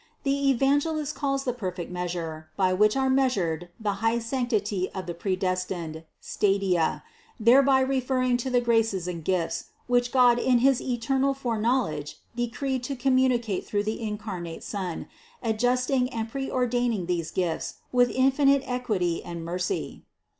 The Evangelist calls the perfect measure, by which are meas ured the high sanctity of the predestined, "stadia," there by referring to the graces and gifts, which God in his eternal foreknowledge decreed to communicate through the incarnate Son, adjusting and pre ordaining these gifts with infinite equity and mercy.